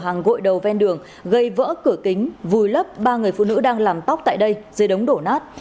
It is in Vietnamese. hàng gội đầu ven đường gây vỡ cửa kính vùi lấp ba người phụ nữ đang làm tóc tại đây dưới đống đổ nát